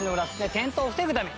転倒を防ぐために。